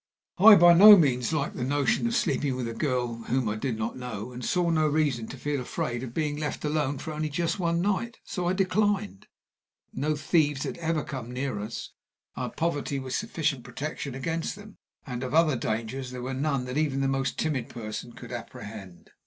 I by no means liked the notion of sleeping with a girl whom I did not know, and I saw no reason to feel afraid of being left alone for only one night; so I declined. No thieves had ever come near us; our poverty was sufficient protection against them; and of other dangers there were none that even the most timid person could apprehend.